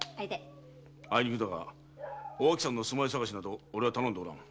あいにくだがおあきさんの住まい探しなど俺は頼んでない。